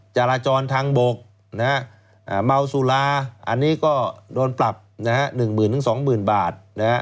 จารจรทางบกเมาสุราอันนี้ก็โดนปรับ๑หมื่นถึง๒หมื่นบาท